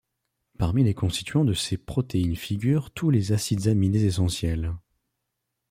Parmi les constituants de ces protéines figurent tous les acides aminés essentiels.